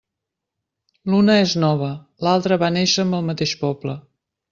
L'una és nova, l'altra va néixer amb el mateix poble.